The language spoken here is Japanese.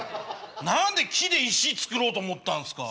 何で木で石作ろうと思ったんすか。